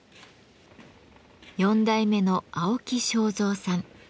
４代目の青木章三さん。